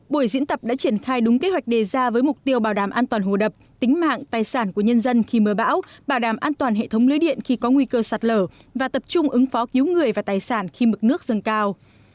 buổi diễn tập đã triển khai đúng kế hoạch đề ra với mục tiêu bảo đảm an toàn hồ đập tính mạng tài sản của nhân dân khi mưa bão bảo đảm an toàn hệ thống lưới điện khi có nguy cơ sạt lở và tập trung ứng phó cứu người và tài sản khi mực nước dâng cao